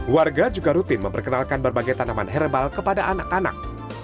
warga juga rutin memperkenalkan berbagai tanaman herbal kepada anak anak